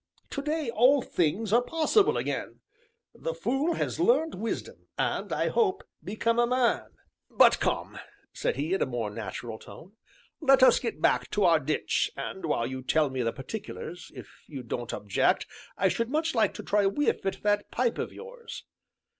To day all things are possible again! The fool has learned wisdom, and, I hope, become a man. But come," said he in a more natural tone, "let us get back to our ditch, and, while you tell me the particulars, if you don't object I should much like to try a whiff at that pipe of yours."